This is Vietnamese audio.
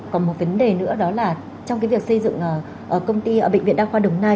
còn một vấn đề nữa đó là trong cái việc xây dựng công ty bệnh viện đa khoa đồng nai